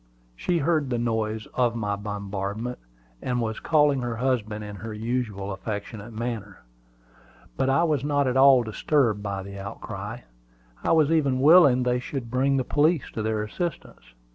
She heard the noise of my bombardment, and was calling her husband in her usual affectionate manner. But I was not at all disturbed by the outcry. I was even willing they should bring the police to their assistance.